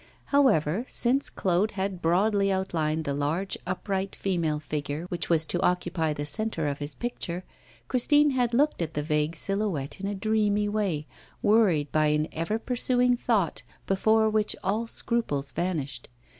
However, since Claude had broadly outlined the large upright female figure which was to occupy the centre of his picture, Christine had looked at the vague silhouette in a dreamy way, worried by an ever pursuing thought before which all scruples vanished.